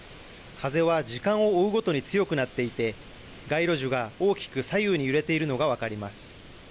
風は時間を追うごとに強くなっていて街路樹が大きく左右に揺れているのが分かります。